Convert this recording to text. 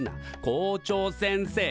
校長先生！